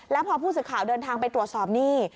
แล้วพอผู้สื่อข่าวเดินทางไปตรวจสอบนี่